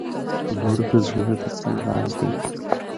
• لور د زړه د تسل راز دی.